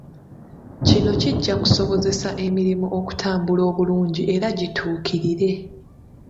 Kino kijja kusobozesa emirimu okutambula obulungi era gituukirire.